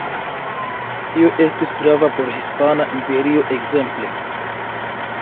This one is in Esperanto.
Tio estis grava por Hispana Imperio ekzemple.